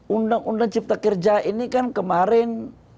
undang undang cipta kerja ini kan kemarin